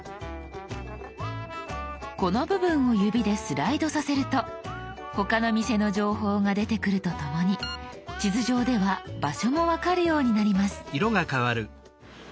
この部分を指でスライドさせると他の店の情報が出てくるとともに地図上では場所も分かるようになります。